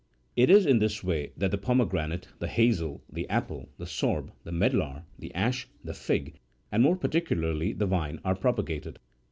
It is in this way that the pomegranate, the hazel, the apple, the sorb, the medlar, the ash, the fig, and more particularly the vine, are propagated.